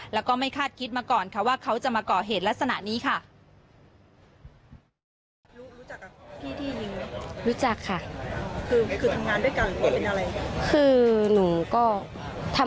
แล้วก็ไม่คาดคิดมาก่อนค่ะว่าเขาจะมาก่อเหตุลักษณะนี้ค่ะ